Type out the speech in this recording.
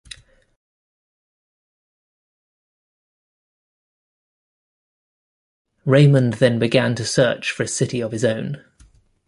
Raymond then began to search for a city of his own.